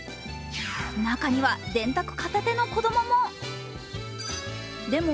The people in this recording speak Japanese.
中には電卓片手の子供も。